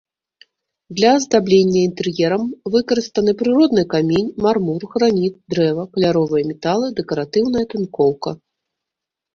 Для аздаблення інтэр'ерам выкарыстаны прыродны камень, мармур, граніт, дрэва, каляровыя металы, дэкаратыўная тынкоўка.